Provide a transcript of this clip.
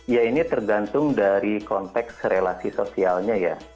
ya ini tergantung dari konteks relasi sosialnya ya